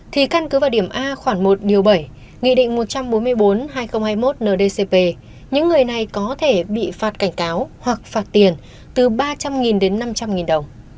thì căn cứ vào điểm a khoảng một điều bảy nghị định một trăm bốn mươi bốn hai nghìn hai mươi một ndcp những người này có thể bị phạt cảnh cáo hoặc phạt tiền từ ba trăm linh đến năm trăm linh đồng